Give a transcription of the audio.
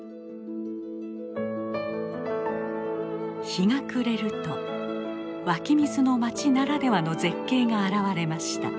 日が暮れると湧き水の町ならではの絶景が現れました。